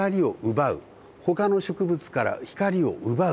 ほかの植物から光を奪う。